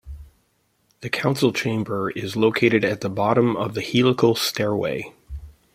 The council chamber is located at the bottom of the helical stairway.